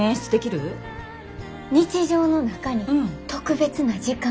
日常の中に特別な時間。